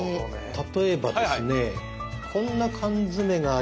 例えばですねこんな缶詰がありますが。